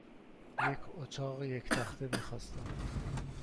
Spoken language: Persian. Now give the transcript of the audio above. یک اتاق یک تخته میخواستم.